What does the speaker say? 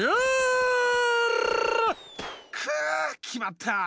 きまった！